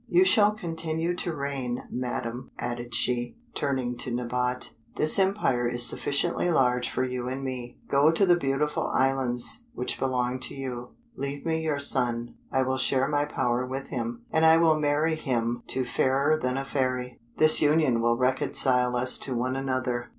You shall continue to reign, Madam," added she, turning to Nabote: "this empire is sufficiently large for you and me. Go to the Beautiful Islands, which belong to you. Leave me your son; I will share my power with him, and I will marry him to Fairer than a Fairy; this union will reconcile us to one another."